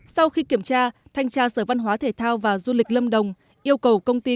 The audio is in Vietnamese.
sau khi kiểm tra thanh tra sở văn hóa thể thao và du lịch lâm đồng yêu cầu công ty